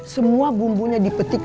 semua bumbunya dipetikkan